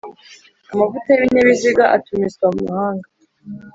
Amavuta y ibinyabiziga atumizwa mu mahanga